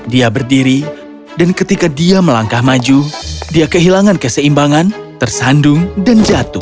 dia berdiri dan ketika dia melangkah maju dia kehilangan keseimbangan tersandung dan jatuh